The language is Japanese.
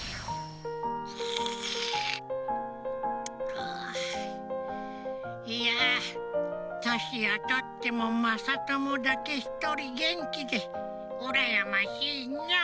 はあいやとしをとってもまさともだけひとりげんきでうらやましいのう。